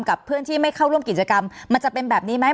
กับเพื่อนที่ไม่เข้าร่วมกิจกรรมมันจะเป็นแบบนี้ไหม